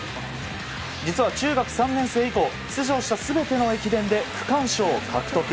実は中学３年生以降出場した全ての駅伝で区間賞を獲得。